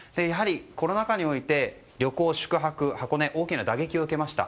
コロナ禍において旅行、宿泊箱根は大きな打撃を受けました。